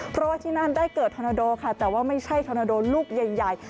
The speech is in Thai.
เพราะว่าที่นั่นได้เกิดธอนาโดค่ะแต่ว่าไม่ใช่ธอนาโดลูกใหญ่